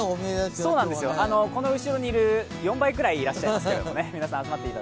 この後ろにいる４倍ぐらいいらっしゃいますね。